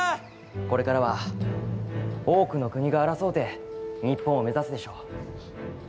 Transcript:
これからは多くの国が争うて日本を目指すでしょう。